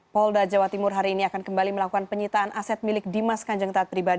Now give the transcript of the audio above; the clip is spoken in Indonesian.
polda jawa timur hari ini akan kembali melakukan penyitaan aset milik dimas kanjeng taat pribadi